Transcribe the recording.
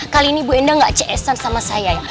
kali ini ibu endang gak cs an sama saya ya